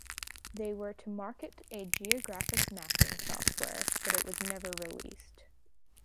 They were to market a geographic mapping software, but it was never released.